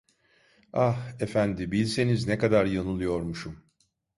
Ah, efendi, bilseniz ne kadar yanılıyormuşum.